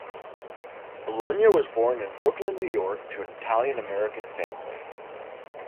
Bologna was born in Brooklyn, New York to an Italian-American family.